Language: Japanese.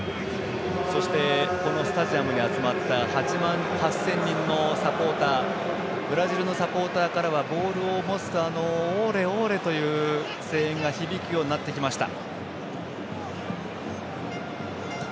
そしてこのスタジアムに集まった８万８０００人のサポーターブラジルのサポーターからはボールを持つと「オーレ！オーレ！」という声援が響くようになってきました。